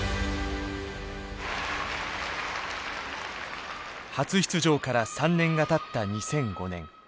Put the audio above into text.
初出場から３年がたった２００５年。